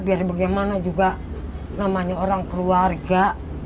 biar bagaimana juga namanya orang keluarga